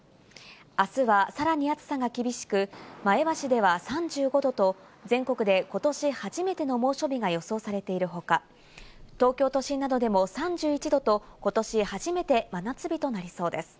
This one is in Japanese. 明日はさらに暑さが厳しく、前橋では３５度と全国で今年初めての猛暑日が予想されているほか、東京都心などでも３１度と今年初めて真夏日になりそうです。